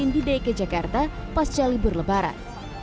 di dki jakarta pasca libur lebaran